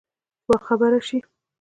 باخبره شي.